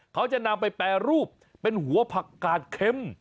เขาจะนำไปแปรรูปเป็นหัวผักกาดเค็ม